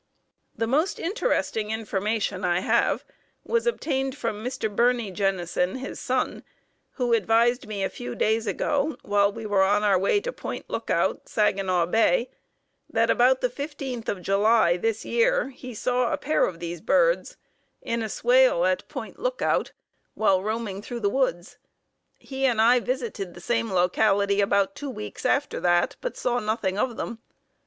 The most interesting information I have was obtained from Mr. Birney Jennison, his son, who advised me a few days ago while we were on our way to Point Lookout, Saginaw Bay, that about the 15th of July, this year, he saw a pair of these birds in a swale at Point Lookout while roaming through the woods. He and I visited the same locality about two weeks after that, but saw nothing of them.